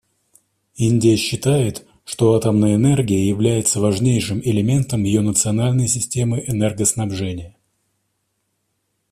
Индия считает, что атомная энергия является важнейшим элементом ее национальной системы энергоснабжения.